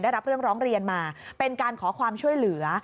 ได้รับเรื่องร้องเรียนมาเป็นการขอความช่วยเหลือ